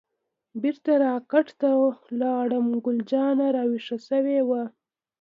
بیرته را کټ ته لاړم، ګل جانه راویښه شوې وه.